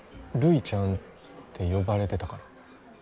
ルイちゃんって呼ばれてたから。